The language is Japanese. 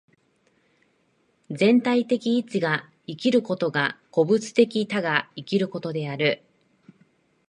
全体的一が生きることが個物的多が生きることである。